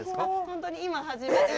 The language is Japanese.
本当に今初めて。